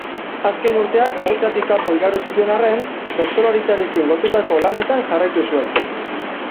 Azken urteak oholtzatik kanpo igaro zituen arren, bertsolaritzarekin lotutako lanetan jarraitu zuen.